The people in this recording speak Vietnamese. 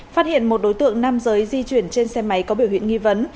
phát hiện một đối tượng nam giới di chuyển trên xe máy có biểu hiện nghi vấn